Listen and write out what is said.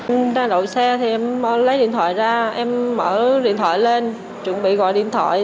em đang đậu xe em lấy điện thoại ra em mở điện thoại lên chuẩn bị gọi điện thoại